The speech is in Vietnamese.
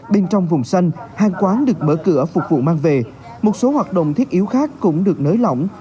bên trong vùng xanh hàng quán được mở cửa phục vụ mang về một số hoạt động thiết yếu khác cũng được nới lỏng